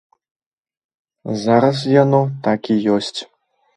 Зараз так яно і ёсць.